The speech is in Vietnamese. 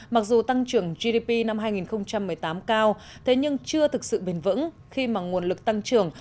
mặc dù tăng trưởng gdp năm hai nghìn một mươi tám cao thế nhưng chưa thực sự bền vững khi mà nguồn lực tăng trưởng